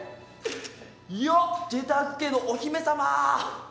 よっジェターク家のお姫様